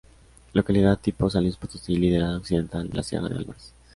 Localidad tipo: San Luis Potosí: ladera occidental de la Sierra de Álvarez.